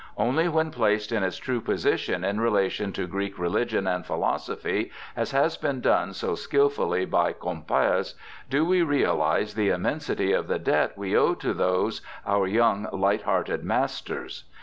Only when placed in its true position in relation to Greek religion and philosophy, as has been done so skilfully by Gomperz,^ do we realize the immensity of the debt we owe to those 'our young light hearted masters'.